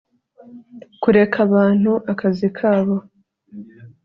Kureka abantu akazi kabo